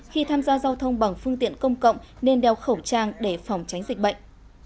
khi tham gia giao thông bằng phương tiện công cộng nên đeo khẩu trang để phòng tránh dịch bệnh